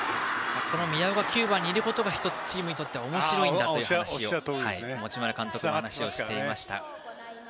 宮尾が９番にいることが１つチームにとっておもしろいんだと持丸監督は話をしていました。